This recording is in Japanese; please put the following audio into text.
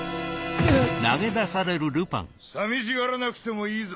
寂しがらなくてもいいぞ。